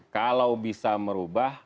kalau bisa merubah